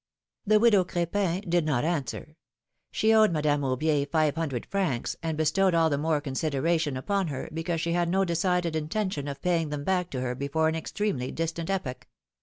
The widow Crepin did not answer. She owed Madame Aubier five hundred francs, and bestowed all the more consideration upon her, because she had no decided 24 PHILOMiiNE^S MARRIAGES. intention of paying them back to her before an extremely distant epoch.